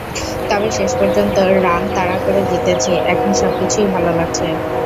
তবে শেষ পর্যন্ত রান তাড়া করে জিতেছি, এখন সবকিছুই ভালো লাগছে।